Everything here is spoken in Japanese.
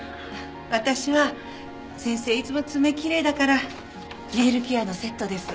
私は先生いつも爪きれいだからネイルケアのセットです。